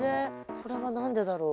これは何でだろう？